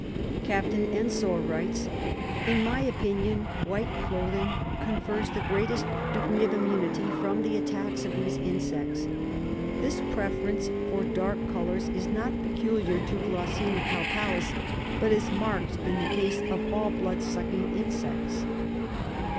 Captain Ensor writes :— "In my opinion white clothing confers the greatest degree of immunity from the attacks of these insects." This preference for dark colours is not peculiar to Glossina palpalis, but is marked in the case of all blood sucking insects.